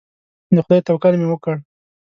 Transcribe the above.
د خدای توکل مې وکړ.